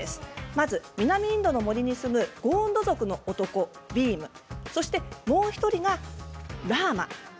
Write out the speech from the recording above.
まず南インドの森に住むゴーンド族の男ビームそして、もう１人がラーマ。